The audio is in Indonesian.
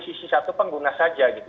sisi satu pengguna saja gitu